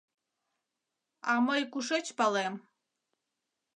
— А мый кушеч палем...